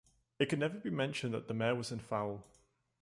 It could never be mentioned that the mare was in foal.